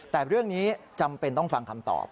แต่เรื่องนี้จำเป็นต้องฟังคำตอบ